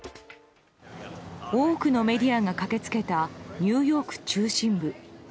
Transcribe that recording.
多くのメディアが駆け付けたニューヨーク中心部。